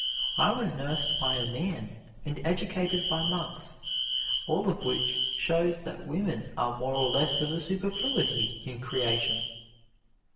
I was nursed by a man, and educated by monks, all of which shows that women are more or less of a superfluity in creation.